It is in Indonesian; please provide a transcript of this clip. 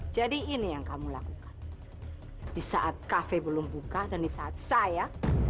jadi ini yang kamu lakukan di saat cafe belum buka dan disaat saya